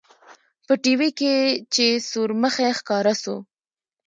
په ټي وي کښې چې سورمخى ښکاره سو.